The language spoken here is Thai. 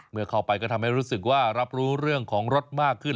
เมื่อเข้าไปก็ทำให้รู้สึกว่ารับรู้เรื่องของรถมากขึ้น